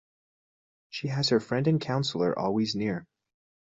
She has her friend and counsellor always near.